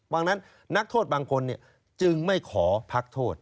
ดังนั้นนักโทษบางคนจึงไม่ขอพักโทษ